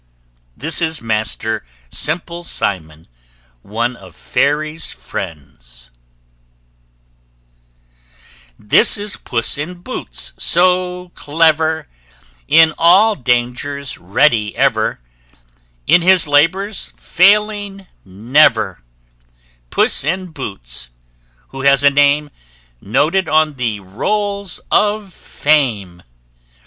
This is Master Simple Simon ONE OF FAIRY'S FRIENDS. This is Puss in Boots, so clever, In all dangers ready ever, In his labours failing never: Puss in Boots, who has a name Noted on the rolls of Fame!